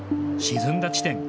沈んだ地点。